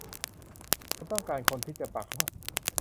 มันต้องการคนที่จะปักหลัก